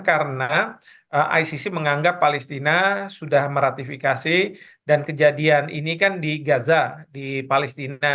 karena icc menganggap palestina sudah meratifikasi dan kejadian ini kan di gaza di palestina